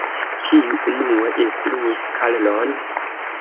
Kiu unue instruis Karlon?